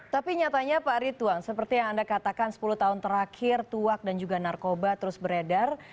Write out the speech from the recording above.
tapi nyatanya pak ridwan seperti yang anda katakan sepuluh tahun terakhir tuak dan juga narkoba terus beredar